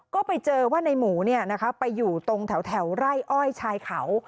ก็ไปเจอว่าในหมูไปอยู่ตรงแถวไร่อ้อยชายเขา